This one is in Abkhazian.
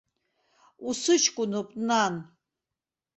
Усыҷкәынуп, нан!